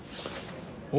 お！